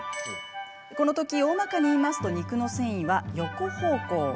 この時、おおまかに言いますと肉の繊維は横方向。